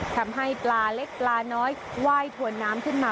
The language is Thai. ทำให้ปลาเล็กปลาน้อยไหว้ถวนน้ำขึ้นมา